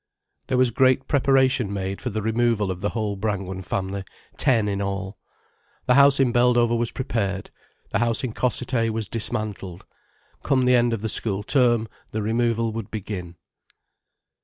There was great preparation made for the removal of the whole Brangwen family, ten in all. The house in Beldover was prepared, the house in Cossethay was dismantled. Come the end of the school term the removal would begin.